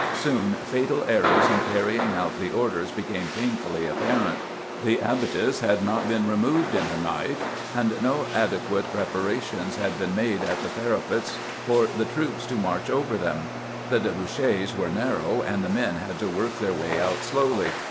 Soon fatal errors in carrying out the orders became pain fully apparent. The abatis had not been removed in the night, and no adequate preparations had been made at the parapets for the troops to march over them ; the de bouches were narrow, and the men had to work their way out slowly.